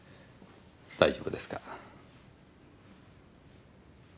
大丈夫ですか？